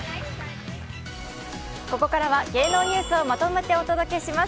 ここからは芸能ニュースをまとめてお届けします。